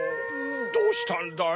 どうしたんだい？